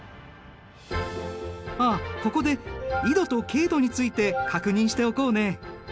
あっここで緯度と経度について確認しておこうね。